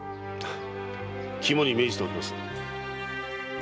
肝に銘じておきます。